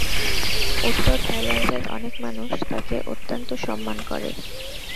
উত্তর থাইল্যান্ডের অনেক মানুষ তাঁকে অত্যন্ত সন্মান করে।